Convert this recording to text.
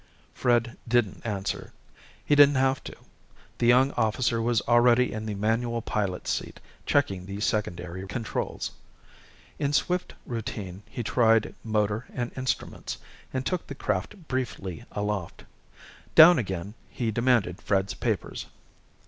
Fred didn't answer. He didn't have to. The young officer was already in the manual pilot's seat, checking the secondary controls. In swift routine he tried motor and instruments, and took the craft briefly aloft. Down again, he demanded Fred's papers.